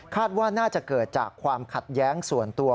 ว่าน่าจะเกิดจากความขัดแย้งส่วนตัว